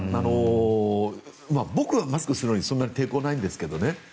僕はマスクするのにそんなに抵抗ないんですけどね。